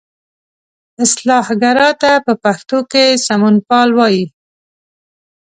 اصلاح ګرا ته په پښتو کې سمونپال وایي.